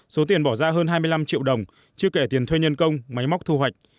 số tiền bỏ ra hơn hai mươi năm triệu đồng chứ kể tiền thuê nhân công máy móc thu hoạch